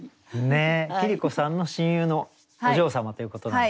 ねえ桐子さんの親友のお嬢様ということなんですね。